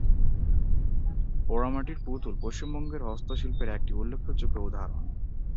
পোড়ামাটির পুতুল পশ্চিমবঙ্গের হস্তশিল্পের একটি উল্লেখযোগ্য উদাহরণ।